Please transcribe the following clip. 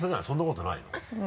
そんなことないの？